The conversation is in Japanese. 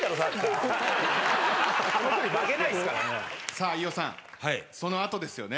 さあ飯尾さんその後ですよね。